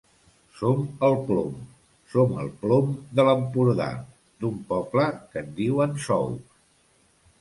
Som el plom, som el plom de l'Empordà, d'un poble que en diuen Sous.